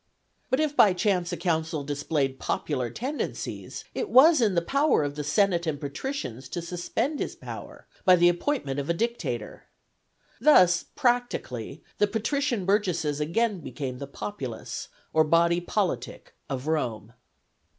But if by chance a consul displayed popular tendencies, it was in the power of the senate and patricians to suspend his power by the appointment of a dictator. Thus, practically, the patrician burgesses again became the Populus, or body politic of Rome.